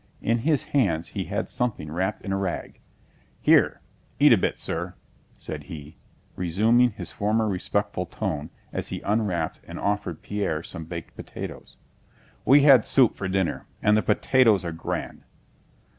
In his hands he had something wrapped in a rag. "Here, eat a bit, sir," said he, resuming his former respectful tone as he unwrapped and offered Pierre some baked potatoes. "We had soup for dinner and the potatoes are grand!"